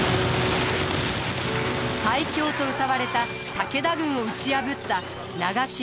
最強とうたわれた武田軍を打ち破った長篠設楽原の戦い。